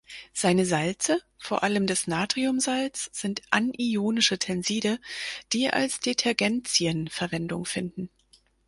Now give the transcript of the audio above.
Seine Salze, vor allem das Natriumsalz, sind anionische Tenside, die als Detergentien Verwendung finden.